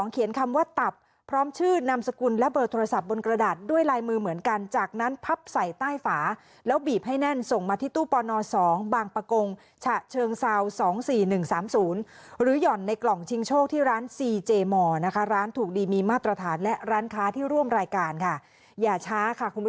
เขียนคำว่าตับพร้อมชื่อนามสกุลและเบอร์โทรศัพท์บนกระดาษด้วยลายมือเหมือนกันจากนั้นพับใส่ใต้ฝาแล้วบีบให้แน่นส่งมาที่ตู้ปน๒บางประกงฉะเชิงเซา๒๔๑๓๐หรือหย่อนในกล่องชิงโชคที่ร้านซีเจมอร์นะคะร้านถูกดีมีมาตรฐานและร้านค้าที่ร่วมรายการค่ะอย่าช้าค่ะคุณผู้ชม